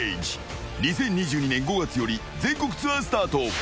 ［２０２２年５月より全国ツアースタート］